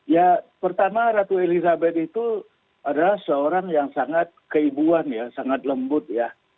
ya pertama ratu elizabeth itu adalah seorang yang sangat keibuan ya sangat lembut ya